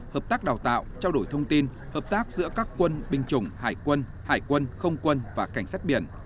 hợp tác đào tạo trao đổi thông tin hợp tác giữa các quân binh chủng hải quân hải quân không quân và cảnh sát biển